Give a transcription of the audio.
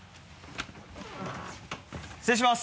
失礼します！